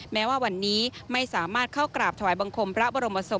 แม้ว่าวันนี้ไม่สามารถเข้ากราบถวายบังคมพระบรมศพ